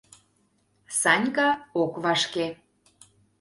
Санька ок вашке.